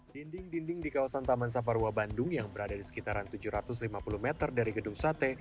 dinding dinding di kawasan taman saparwa bandung yang berada di sekitaran tujuh ratus lima puluh meter dari gedung sate